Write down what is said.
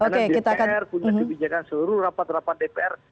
karena dpr punya kebijakan seluruh rapat rapat dpr